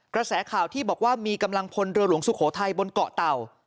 กระแสข่าวที่บอกว่ามีกำลังพลเรือหลวงสุโขทัยบนเกาะเต่า